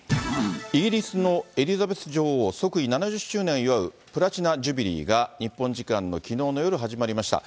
イギリスのエリザベス女王、即位７０周年を祝うプラチナ・ジュビリーが、日本時間のきのうの夜始まりました。